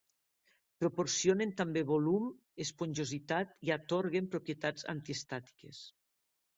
Proporcionen també volum, esponjositat i atorguen propietats antiestàtiques.